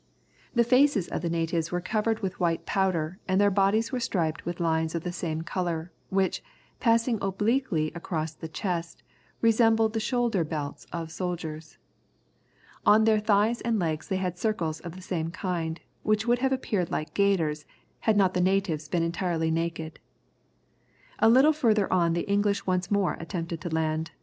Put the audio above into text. The faces of the natives were covered with white powder, their bodies were striped with lines of the same colour, which, passing obliquely across the chest, resembled the shoulder belts of soldiers. On their thighs and legs they had circles of the same kind, which would have appeared like gaiters had not the natives been entirely naked. A little further on the English once more attempted to land.